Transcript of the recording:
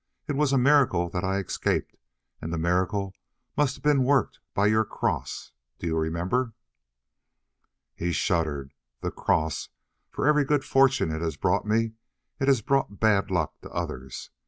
It was a miracle that I escaped, and the miracle must have been worked by your cross; do you remember?" He shuddered. "The cross for every good fortune it has brought me, it has brought bad luck to others.